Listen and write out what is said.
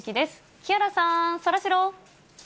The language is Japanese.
木原さん、そらジロー。